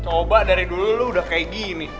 coba dari dulu lu udah kayak gini